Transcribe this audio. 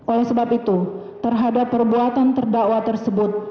oleh sebab itu terhadap perbuatan terdakwa tersebut